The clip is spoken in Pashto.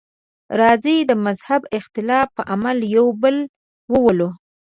راځئ د مهذب اختلاف په عمل یو بل وولو.